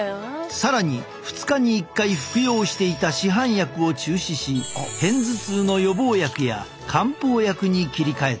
更に２日に１回服用していた市販薬を中止し片頭痛の予防薬や漢方薬に切り替えた。